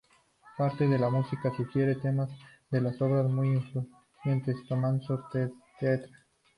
Parte de la música sugiere temas de las obras del muy influyente Tommaso Traetta.